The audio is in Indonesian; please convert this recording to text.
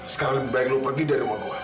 sekarang lebih baik lo pergi dari rumah gue